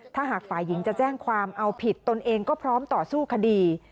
ถ้าหากฝ่ายหญิงจะแจ้งความเอาผิดตนเองก็พร้อมต่อสู้คดี